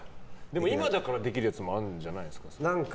今だからできるやつもあるんじゃないですか。